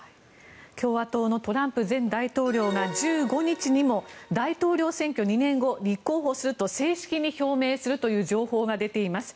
共和党のトランプ前大統領が１５日にも大統領選挙２年後、立候補すると正式に表明するという情報が出ています。